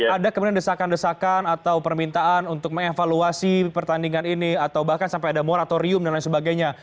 ada kemudian desakan desakan atau permintaan untuk mengevaluasi pertandingan ini atau bahkan sampai ada moratorium dan lain sebagainya